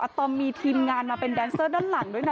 ตอมมีทีมงานมาเป็นแดนเซอร์ด้านหลังด้วยนะ